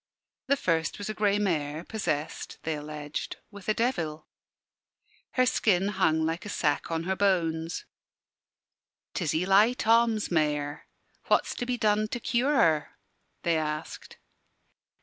The first was a grey mare, possessed (they alleged) with a devil. Her skin hung like a sack on her bones. "'Tis Eli Thoms' mare. What's to be done to cure her?" they asked.